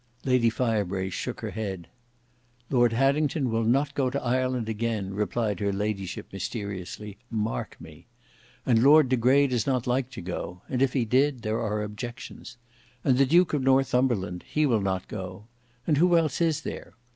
Lady Firebrace shook her head. "Lord Haddington will not go to Ireland again," replied her ladyship, mysteriously; "mark me. And Lord De Grey does not like to go; and if he did, there are objections. And the Duke of Northumberland, he will not go. And who else is there?